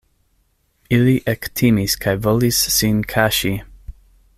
Ili ektimis kaj volis sin kaŝi.